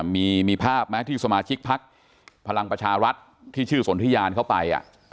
มีภาพไหมที่สมาชิกพักพลังประชารัฐที่ชื่อสนทิยานเข้าไป